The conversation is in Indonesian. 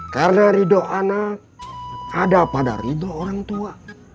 karena ridho anak ada pada ridho orang tua